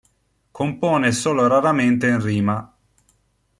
Compone solo raramente in rima.